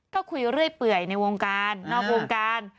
ก็คุยเรื่อยเปื่อยในวงการนอกวงการ